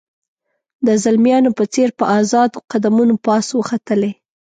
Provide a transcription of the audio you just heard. د زلمیانو په څېر په آزاده قدمونو پاس وختلې.